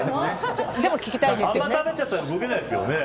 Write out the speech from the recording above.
あんまり食べちゃったら動けないですよね。